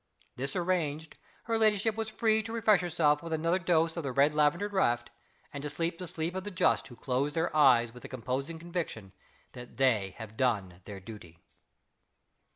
This arranged, her ladyship was free to refresh herself with another dose of the red lavender draught, and to sleep the sleep of the just who close their eyes with the composing conviction that they have done their duty.